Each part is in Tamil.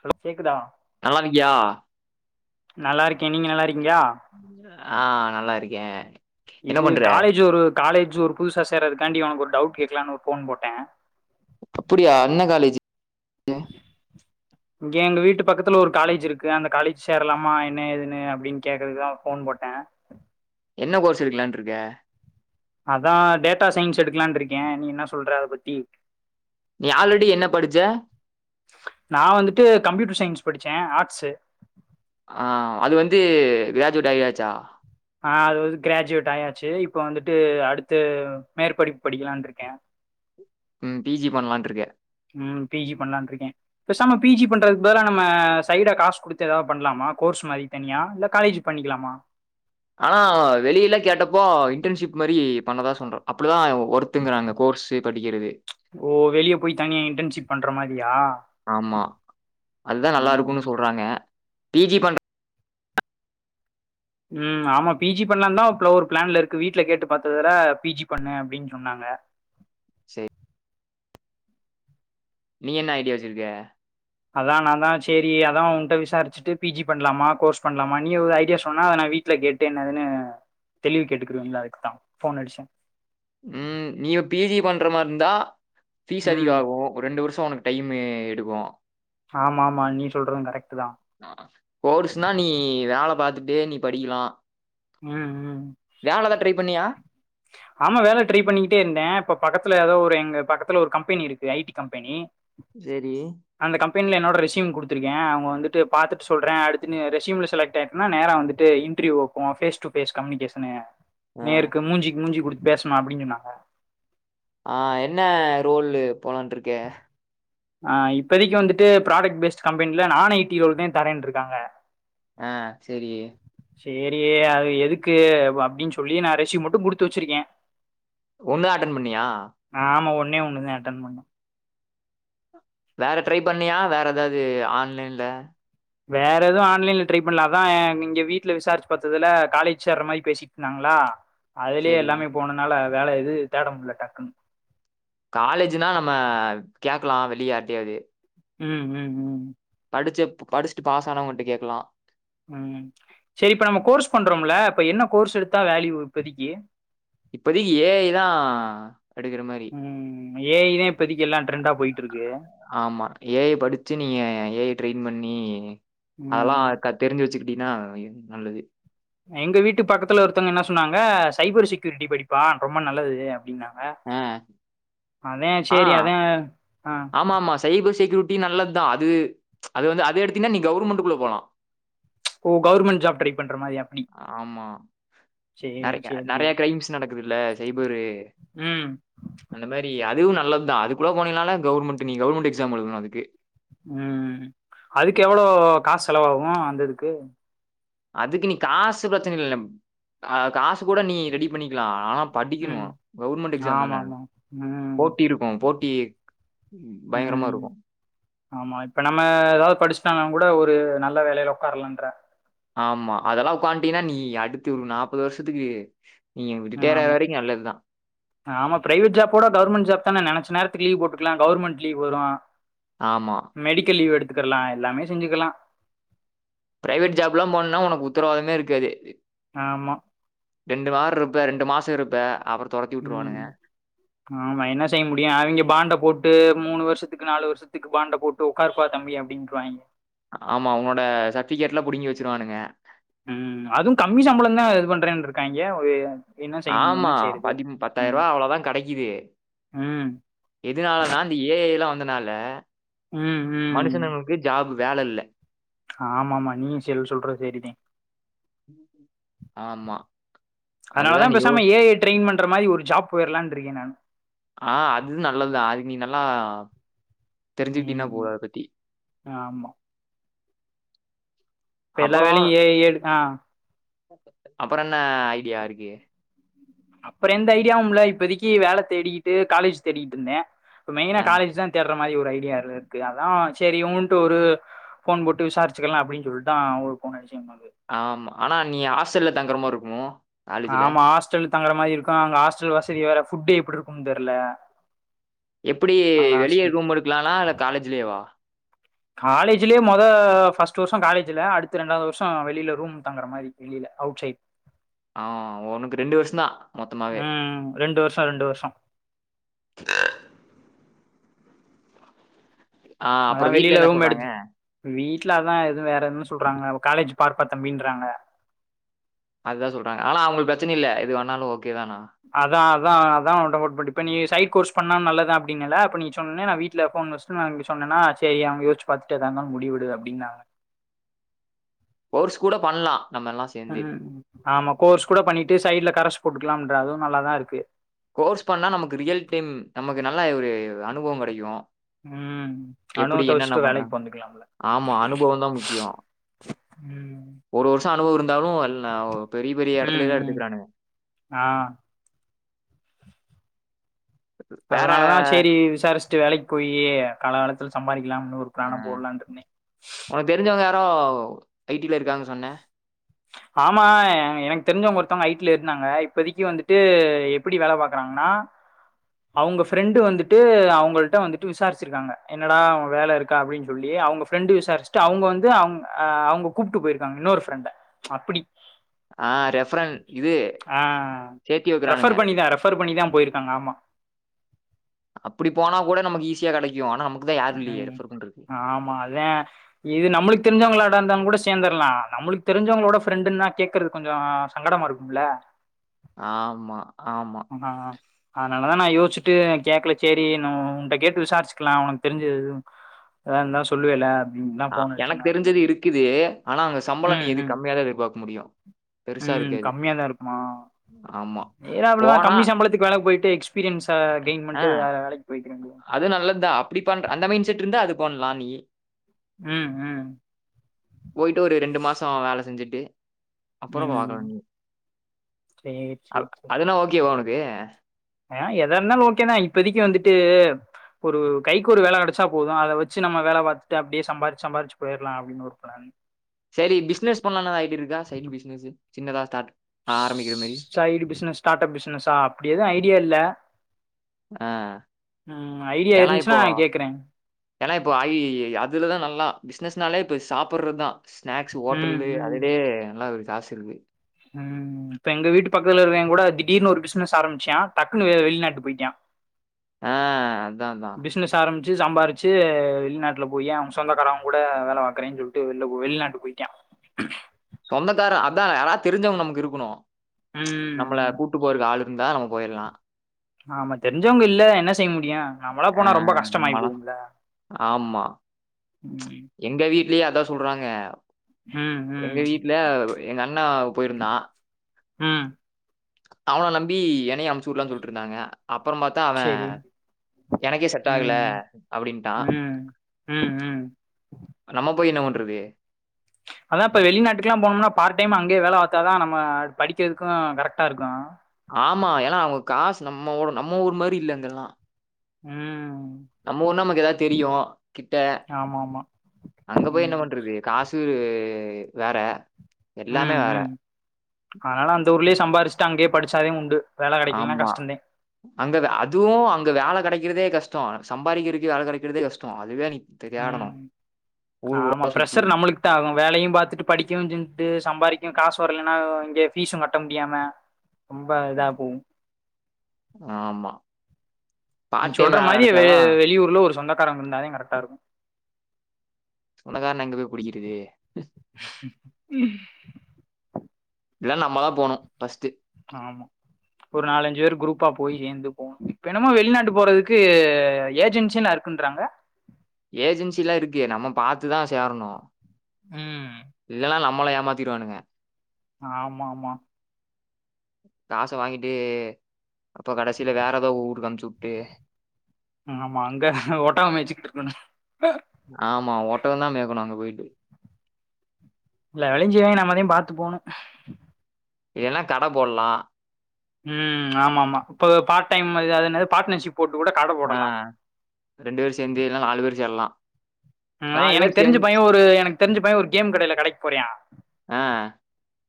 ஹலோ கேக்குதா நல்லாருக்யா நல்லாருக்கே நீங்க நல்லாருக் ஆஹ் நல்லாருக்கே இது காலேஜ் ஒரு காலேஜ் ஒரு புதுசா சேர்றதுக்காண்டி உனக்குவொரு டவுட் கேக்லான்னு ஒரு ஃபோன் போட்ட அப்புடியா என்ன காலேஜ் இங்க எங்க வீட்டுப் பக்கத்துல ஒரு காலேஜ் இருக்கு அந்த காலேஜ் சேரலாமா என்ன ஏதுன்னு அப்டின் கேக்குறதுக்குதா ஃபோன் போட்ட என்ன கோர்ஸ் எடுக்கலான்ட்ருக்க அதா டேட்டா சயின்ஸ் எடுக்கலான்ட்ருக்கே நீ என்னா சொல்ற அத பத்தி நீ ஆல்ரெடி என்ன படிச்ச நா வந்துட்டு கம்ப்யூட்டர் சயின்ஸ் படிச்ச ஆர்ட்ஸ் ஆஹ் அது வந்து கிராஜுவேட்டாயியாச்சா ஆஹ் அதுவது கிராஜுவேட் ஆயாச்சு இப்பொ வந்துட்டு அடுத்து மேற்படிப்பு படிக்கலான்ட்ருக்க ம் பிஜி பண்லான்ட்ருக்க ம் பிஜி பண்லான்ட்ருக்கே பேசாம பிஜி பண்றதுக்கு பதிலா நம்ம சைடா காசுக் குடுத்து எதாவ் பண்லாமா கோர்ஸ் மாரி தனியா இல்ல காலேஜ் பண்ணிக்கலாமா ஆனா வெளில கேட்டப்போ இன்டன்ஷிப் மாரி பண்ணதா சொல்ற அப்டிதா வர்த்துங்குறாங்க கோர்ஸ்ஸு படிக்கிறது ஓ வெளியப் போய் தனியா இன்டன்ஷிப் பண்றமாரியா ஆமா அதுதான் நல்லா இருக்கும்னு சொல்றாங்க பிஜி பண்ற ம் ஆமா பிஜி பண்ணலா தா இப்பள ஒரு பிளான்ல இருக்கு வீட்ல கேட்டு பாத்ததுல பிஜி பண்ணு அப்டின்னு சொன்னாங்க சேரி நீ என்ன ஐடியா வச்சிருக்க அதா நான்தா சேரி அதா உன்கிட்ட விசாரிச்சுட்டு பிஜி பண்ணலாமா கோர்ஸ் பண்ணலாமா நீ ஒரு ஐடியா சொன்னா அத நா வீட்டுல கேட்டு என்னதுன்னு தெளிவு கேட்டுக்குறுவன்ல அதுக்குதா ஃபோன் அடிச்ச ம் நீ [unintelligible] இருந்தா பீஸ் ம். அதிகாகு ஒரு ரெண்டு வருஷ அப்போ உனக்கு டைமு எடுக்கு ஆமா ஆமா நீ சொல்றது கரெக்ட் தான். கோர்ஸ்ன்னா நீ வேல பாத்தட் டே நீ படிக்கலா ம் ம் பண்ணியா ஆமா வேல ட்ரை பண்ணிட்டே இருந்தே இப்ப பக்கத்து ல ஏதோ ஒரு எங்க பக்கத்துல ஒரு கம்பெனி இருக்கு ஐடி கம்பெனி சேரி பென்ல என்னோட ரெஸ்யூம் கொடுத்துருக்க அவங்க வந்துட்டு பாத்துட்டு சொலறே அடுத்து ரெஸியூம்ல செலக்ட் ஆயிட்டேன்னா நேரா வந்துட்டு இன்டர்வியூ ஃபேஸ் ஃபேஸ் கம்யுனிகேஷனு ஆ நேருக்கு மூஞ்சிக்கு மூஞ்சி குடுத்து பேசணும் அப்படின்னு சொன்னாங்க ஆஹ் என்ன ரோல் போலான்று இருக்க ஆஹ் இப்பதைக்கு வந்துட்டு ப்ராடக்ட் பேஸ்ட் கம்பெனில நான் ஐ டி ரோல் தான் தரேன்ட்டு இருக்காங்க ஆஹ் செரி செரி அது எதுக்கு அப்படின்னு சொல்லி நான் ரெஸ்யூம் மட்டும் குடுத்து வச்சிருக்கேன் ஒண்ணுதான் அட்டன் பண்ணியா ஒண்ணே ஒண்ணு தான் அட்டென்ட் பண்ணன் வேற ட்ரை பண்ணியா வேற ஏதாவது ஆன்லைன்ல வேற எதுவும் ஆன்லைன்ல ட்ரை பண்ல அதான் இங்க வீட்டுல விசாரிச்சு பார்த்ததுல காலேஜ் சேர்ற மாதிரி பேசிட்டு இருந்தாங்களா அதுலயே சரி எல்லாமே போனதுனால வேலை எது தேடமுடல டக்குன்னு பக்கலாம் வெளிய யார்ட்டியாவது ம் ம் ம் படிச்ச படிச்சுட்டு பாஸ் ஆனவங்கிட்ட கேக்லாம் உம் செரி இப்ப நம்ம கோர்ஸ் பண்றோம்ல இப்ப என்ன கோர்ஸ் எடுத்தா வேல்யூ இப்போதிக்கு இப்பதேக்கு ஏ ஐ தான் எடுக்கற மாதிரி ம் ஏ ஐ தான் இப் ஆமா ஏ ஐ படிச்சு நீங்க ஏ ஐ ட்ரென் பண் ணீ அதெல்லாம் ம் க தெரிஞ்சு வச்சுக்கட்டு அப்படின்னா நல்லது எங்க வீட்டு பக்கத்துல ஒருத்தவங்க என்ன சொன்னாங்க சைபர் செக்யூரிட்டி படிப்பா ரொம்ப நல்லது அப்படின்னாங்க ஹ ஆ அதான் சரி ஆ அதான் ஆமா ஆமா சைபர் செக்யூரி டி நல்லத் தான் அது அது வந்து அது எடுத்தீன்னா நீ கவுர்மெண்ட்குள்ள போலா ஓ கவர்மெண்ட் ஜாப் ட்ரை பண்ற மாரி அப்டி ஆமா. சேர் நெறைய செர் நெறைய செர் கிரைம்ஸ் நடக்குதுல்ல. சைபரு ம் அதுவு நல்ல தான் அதுக்குள்ள போனினாலே கவுர்மென்ட்டு நீ கவுர்மெண்ட் எக்ஸாம் எழுதனு அதுக்கு ம் அதுக்கு எவ்வளோ காசு செலவாகு அந்ததுக்கு அதுக்கு நீ காசு பிரச்சனை இல்ல அ காசு கூட நீ ரெடி பண்ணிக்லா ஆனா படிக்கணு ம் கவுர்மெண்ட் எக்ஸாம் ஆமா தான ஆமா ம் போட்டி இருக்கும் போட்டி பயங்கரமா ம் இருக்கும் ஆமா இப்ப நம்ம ஏதாவது படிச்சுட்டானா கூட ஒரு நல்ல வேலையில உட்கார்லான்ற ஆமா அதெல்லா உட்கான்ட்டீனா நீ அடுத்து ஒரு நாப்பது வர்ஷத்துக்கு ம் ஆமா ஆமா ப்ரைவட் ஜாப்போட கவுர்மெண் ஜாப் தான நெனச்ச நேர த்ரீ போட்டு ல்லாம் கவுர்மெண்ட் லீவ் வரு ஆமா. மெடிக்கல் லீவ் எடுத் க்கர்லா எல்லாமே செஞ்சுக்கலா ப்ரைவட் ஜாப் ல்லாம் போண்ணா ஒனக்கு உத்தரவாதமே இருக்காது ஆமா ரெண்டு வார் ருப்ப ரெண்டு மாசொ இருப்ப அப்ற ம் ஆமா என்ன செய்ய முடியு அவிங்க பாண்ட போட்டு மூணு வரு ஷத்துக்கு நாலு வருஷத்துக்கு பாண்ட போட்டு உட்கார்ப்பா தம்பி அப்டின்றுவாய்ங்க ஆமா உனோட சர்ட்ஃபிகேட் ல்லா புடுங்கி வெச்சுருவானுங்க ம் அதும் கம்மி சம்ப்ளந் தான் இது பண்றேன் ருக்காங்க ஒரு என்ன செய்ய முடியு ஆமா என்ன செய்யறது பதி ம் பத்தாயிருவா அவ்வளதான் கடைக்கிது ம் எதுனாலனா இந்த ஏஐ லா வந் ந்தனால ம் மனுஷனுங்ளுக்கு ஜாப் வேல ல்ல ஆமா ஆமா நீ செல் சொல்ற செரிதேன் ஆமா. அதனால அதுதான் தான் நீ பேசாம யோஸ் ஏஐ ட்ரெய்ன் பண் ண்ற மாரி ஒரு ஜாப் போயர்லான்ட் இருக்கேன் நான் ஆஹ் அது நல்லதுதான் அதுக் நீ நல்லா தெரிஞ்சுக்ட்டீனா ம் போது ம். அத பத்தி ஆமா ப்ப எல்லா வேலையு ஏஐயே ட் ஆஹ் அப்பற ன்ன ஐடியா இருக்கு அப்பற எந்த ஐடியாவும்ல்ல இப்பதக்கி வேல தேடிக்கிட்டு காலேஜ் தேடிகிட்டு ருந்தேன் அ ப்மெயினா காலேஜ் தான் தேட மாரி ஒரு ஐடியா இருக்கு அதான் செரி ஊண்ட ஒரு ஃபோன் போட்டு விசாரிச்சுக்கலா அப்டின்னு சொல்லிதான் ஒரு ஃபோன் அடிச்சேன் பா ஆமா ஆனா நீ ஹாஸ்டல்ல தங்குற மார் ருக்கும் ஆமா ஹஸ்டல் தங்குற மாதிரி இருக்கும் அங்க ஹாஸ்டல் வசதி வேற ஃபுட் எப்படி இருக்கும்னு தெரில எப்படி வெளியே ரூம் எடுக்கலாமா இல்ல காலேஜ்லயேவா காலேஜ்லயேொ மொத ஃபர்ஸ்ட் வருஷம் காலேஜ்ல அடுத்து ரெண்டாவது வருஷம் வெளியில ரூம் தங்குற மாதிரி வெளியில அவுட் சைடு ஆஹ் உனக்கு ரெண்டு வருஷம் தான் மொத்தமாவே ம் ரெண்டு வருஷோ ரெண்டு வருஷோ ஆ அதான் அப்புறம் வீட்ல வெளியில என்ன ரூம் சொல்றாங்க? எடுத்து வீட்லதான் எது வேற ஏதும் சொல்றாங்க காலேஜ் பாருப்பா தம்பின்றாங்க அதான் சொல்றாங்க ஆனா அவளுக்கு பிரச்சனை இல்ல இது வேணாலும்ஓக அதான் அதான் அதான் உடட் பண்ண இப்ப நீ சைட் கோர்ஸ் பண்ணா நல்லதான் அப்படினால அப்ப நீ சொன்ன நான் வீட்டுல போன் வச்சுட்டு நான்ங்க சொன்னேன்னா சரி அவங்க யோசிச்சு பாாரத்துட்டு எதா இருந்தாலும் முடிவெடு அப்படின்னுந்தாங்க கோர்ஸ் கூட பண்ணலாம் நம்ம எல்லாம் சேர்ந்து. உஹம் ஆமா கோர்ஸ் கூட பண்ணிட்டு சைடுல கரை போடுக்கலாம்ற அதுவும் நல்லாதான் இருக்கு கோர்ஸ் பண்ணா நமக்கு ரியல் டைம் நமக்கு நல்ல ஒரு அனுபவோ கிடைக்கு ம் எப்படி அனுபவத்தை என்னன்ன வச்சுட்டு பண்ற வேலைக்கு போந்துக்கலாம்ல ஆமா அனுபவோ தா முக்கியோ ம் ஒரு வருஷோ அனுபவ இரு இருந்தாலு பெரிய பெரிய எடத்துல ம் தா ம் எடுத்துக்குரங்க ஆ வேற அதனாலதா செரி விசாரிச்சுட்டு வேலைக்கு போய் காலாகாலத்துல சம்பாரி லாம்னு ஒரு அ பிளாண போடலான்ட்டு இருந்த ஓ ஐடில இருக்காங்க சொன்ன ஆமா எனக்கு தெரிஞ்சவங்க ஒருத்தவங்க ஐடி ல இருந்தாங்க இப்போதைக்கு வந்துட்டு எப்படி வேல பாக்குறாங்கன்னா அவங்க ஃப்ரெண்ட் வந்துட்டு அவங்க இல்ட்ட வந்துட்டு விசாரிச்சிருக்காங்க என்னடா வேலை இருக்கா அப்படின்னு சொல்லி அவங்க ஃப்ரெண்டு விசாரிச்சுட்டு அவங்க வந்து அவங்க அஹ் அவங்க கூப்ட்டு போயிருக்காங்க இன்னொரு ஃப்ரெண்ட அப்படி ஆஹ் ரெஃபரன் இது ஆ சேத்தி வைக்கிறானுங்க ரெஃபர் பண்ணி தான் ரெஃபர் பண்ணி தான் போயிருக்காங்க ஆமா அப்படி போனா கூட நமக்கு ஈஸியா கிடைக்கு ஆனா நமக் உம் ஆமா அதா இது நம்மளுக்கு தெரிஞ்சவங்களாடா இருந்தா கூட சேந்தரலா நம்மளுக்கு தெரிஞ்சவங்களோட ஃப்ரெண்டுன்னா கேக்குறது கொஞ்சோ சங்கடமா இருக்கும்ல ஆமா ஆமா. ஆஹ் ஆனால தா நா யோசிச்சுட்டு கேட்கல செரி நு உன்கிட்ட கேட்டு விசாரிச்சுக்கலா அவனக்கு தெரிஞ்சுது வேதா இருந்தால சொல்லுவல ஆஹா எனக்கு தெரிஞ்சது இருக்குது ஆனா அங்க சம்பளம் நீ ம், எது ம். கம்மியாாதா எதிர்பார்க்க முடியு பெருசா ம் இருக்காது கம்மியா தா இருக்குமா ஆமா ஏன்னா போ அவ்ளதா கம்மி சம்பளத்துக்கு வேலக் போ [inaudible] ஆஹ் வேண்டியதா அது நல்லது தா அப்படி பண்ற அந்த மைண்ட செட் இருந்தா அது போன்லா நீயி உம் உம் போயிட்டு ஒரு ரெண்டு மாஷோ வேல செஞ்சுட்டு அப்ரோ ம் பாக்கல நி சேரி அதுனா ஓகேவா உனக்கு பே ஏ எதா இருந்தாலும் ஓகேதா இப்பதைக்கு வந்துட்டு ஒரு கைக்கு ஒரு வேலை கிடைச்சா போதும் அதை வச்சு நம்ம வேலை பார்த்து அப்படியே சம்பார்ச்சு சம்பார்ச்சு போயிரலா அப்படின்னு ஒரு பிளான் சரி பிசினஸ் பண்ணன ஐ டியா இருக்கா சைடு பிசினஸ் சின்னதா ஸ்டார்ட் ஆரம்பிக்கிற மாரி. சைடு பிசினஸ் ஸ்டார்டப் பிசினஸ அப்படி எதும் ஐடி அடியல்ல ஆஹ் ஏனா இப்போ இருந்துச்சுன்னா கேக்குறே ஏனா இப்போ ஐ அதுலதா நல்லா பிசினஸ் அதுனால இப்ப சாப்பிடடுறதுதா ஸ்நாக்ஸ் ம் ஹோட்டல்லே அததே நல்லா இரு காசுருகு உஹம் இப்ப எங்க வீட்டு பக்கதுல இருகறவேங் கூட திடீர்னு ஒரு பிசினஸ் ஆரம்பிச்சான் டக்குன்னு வெளிநாட்டுக்கு போயிட்டியா ஆஹ் அதான் தான் ஆரம்பிச்சு சம்பாரிச்சு வெளிநாட்டுல போயே அவ சொந்தக்காரங்க கூட வேலை பாக்றேன்னு சொல்லிட்டு வெ வெளிநாட்டுக்கு போயிட்டியா சொந்தக்கார அதான் யாராவது தெரிஞ்சவங்க நமக்கு இருக்கணும் நம்மள ம் கூட்டு போறது ஆளுக் இருந்தா நம்ம போயிரலாம் ஆமா தெரிஞ்சவங்க இல்லே என்ன செய்ய முடியும் நம்மளா ஆ போனா ரொம்ப நம்மலாம் கஷ்டமாயிபோவும்ல ஆமா. உம் [inaudible] எங்க வீட்லயே அதா சொல்றாங்க ம் எங்க ம் வீட்டுல எங்க அண்ணா போயிருந்தான் ம் அவன நம்பி என்னய அனுப்ச்சு விடலாம்னு சொல்லிட்டு இருந்தாங்க அப்புறம் பார்த்தா அவன் சரி எனக்கே செட் ஆகல ம் அப்படின்ட்டான் ம் ம் ம் நம்ம போய் என்ன பண்ற விட்ருவே அதான் இப்ப வெளிநாட்டுக்கெல்லாம் போனோம்னா பார்ட் டைம் அங்கே வேலை பார்த்தாதான் நம்ம படிக்கிறதுக்கும் கரெக்டா இருக்கும் ஆமா ஏன்னா அவங்க காசு நம்ம ஊடு நம்ம ஊர் மாதிரி இல்லேஅங்கெல்லாம் உம் நம்ம ஊர்னா நமக்கு ஏதாவது தெரியும் கிட்ட ஆமாமா. அங்க போய் என்ன ம். பண்றது காசு இது வேற எல்லாமே உம் வேற. உம் அதனால அந்த ஊர்லயே சம்பாரிச்சு அங்கே படிச்சாதே உண்டு வேல கெடைக்கலன்னா ஆமா கஷ்டந்தேன். அங்க அதுவும் அங்க வேலை கிடைக்கிறதே கஷ்டம் ஆமா சம்பாரிக்கிறதுக்கு வேல கெடைக்கிறதே கஷ்டம் அதுவே நீ தே- உம் தேடணும். ஆமா ஃபுல்லா சுத்தி ப்ரஷர் நம்மளுக்குத்தா ஆகும் வேலயும் பாத்துட்டு படிக்கவும் செஞ்சுட்டு சம்பாரிக்கவும் காசு வரலன்னா இங்க ஃபீஸு கட்ட முடியாம ரொம்ப இதா போகு ஆமா நீ பார்ட் டைம் சொல்ற வேல மாதிரி கெடைச்சா வெ தான் வெளியூர்ல ஒரு சொந்த க்காரவுங்க இருந்தா கரெக்டா இருக்கு ச்சொந்தக்காரன்னே எங்க போய் புடிக்கிறது உம் இல்லனா நம்மதா போகணும் ஃபஸ்ட்டு ஆமா ஒரு நாலஞ்சு பேர் குரூப்பா போய் சேர்ந்து போகணு இப்ப என்னமோ வெளிநாட்டு போறக்கு ஏஜென்சில்ல இருக்குன்றாங்க ஏஜென்சிலாம் இருக்கு நம்ம பாத்துதா சேரணும் ம் இதெலா நம் நம்மள ஏமாத்திருவானுங்க ஆமா மா காசை வாங்கிட்டு அப்போ கடைசியிலே வேற ஏதோ ஊருக்கு அனுப்புச்சு விட்டு ஆமா அங்க ஓட்டோகோ மேய்ச்சுட்டு இருக்கணு ஆமா ஓட்டக தா மேக்கணு அங்க போயிட்டு இல்ல வெளஞ்சிய நம்ப தா பாத்து போணு இல்லனா கட போட்லா உம் ஆமா ஆமா இப்ப பார்ட் டைம் மாரி அது என்ன பார்ட்னர்ஷிப் போட்டு கூட கட ஆ போடலா ரெண்டு பேரு சேந்து இல்லன்னா நாலு பேரு சேர்லா ஆ மணி எனக்கு தெரிஞ்சு பைய ஒரு எனக்கு தெரிஞ்ச பைய ஒரு கேம் கடையில கடைக்கு போறியா ஆ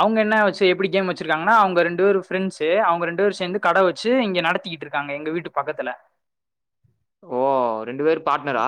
அவங்க என்ன வெச்சு எப்டி கேம் வெச்சிருக்காங்கன்னா அவங்க ரெண்டு பேரு ஃப்ரெண்ஸ்ஸு அவங்க ரெண்டு பேரு சேந்து கட வெச்சு இங்க நடத்திக்கிட்டு இருக்காங்க எங்க வீட்டு பக்கத்துல ஓ ரெண்டு பேரு பார்ட்னரா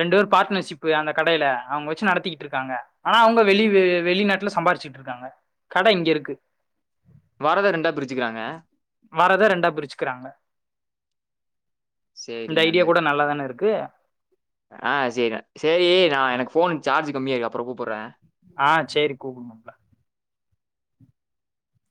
ரெண்டு பேரு பார்ட்னர்ஷிப்பு அந்த கடையில அவங்க வெச்சு நடத்திக்கிட்டுருக்காங்க ஆனா அவங்க வெளி வெளிநாட்டுல சம்பாரிச்சுட்டுருக்காங்க கட இங்க இருக்கு வரத ரெண்டா பிரிச்சுக்கிறாங்க வரத ரெண்டா பிரிச்சுக்கிறாங்க சரி இந்த ஐடியா நல்லது. கூட நல்லாதான இருக் க்கு ஆ சேரிடா சேரி நா எனக்கு ஃபோன் சார்ஜ் கம்மியா இருக்கு அப்பறோ கூப்றே ஆ சேரி கூப்டு மாப்ள